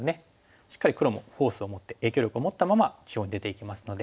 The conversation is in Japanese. しっかり黒もフォースを持って影響力を持ったまま中央に出ていけますので。